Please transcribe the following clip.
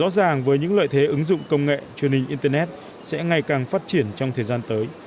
rõ ràng với những lợi thế ứng dụng công nghệ truyền hình internet sẽ ngày càng phát triển trong thời gian tới